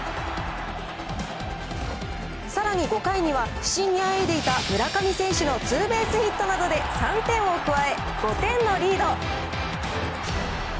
さらに５回には、不振にあえいでいた村上選手のツーベースヒットなどで３点を加え、５点のリード。